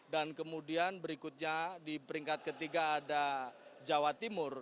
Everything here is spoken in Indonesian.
dan kemudian berikutnya di peringkat ketiga ada jawa timur